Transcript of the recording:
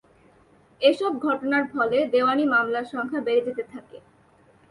এসব ঘটনার ফলে দেওয়ানি মামলার সংখ্যা বেড়ে যেতে থাকে।